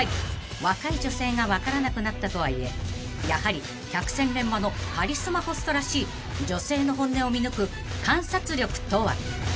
［若い女性が分からなくなったとはいえやはり百戦錬磨のカリスマホストらしい女性の本音を見抜く観察力とは］